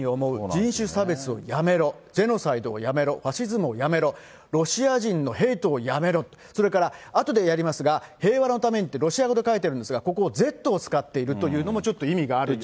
人種差別をやめろ、ジェノサイドをやめろ、ファシズムをやめろ、ロシア人のヘイトをやめろ、それからあとでやりますが、平和のためにってロシア語で書いてあるんですが、ここ、Ｚを使っているというのもちょっと意味があると。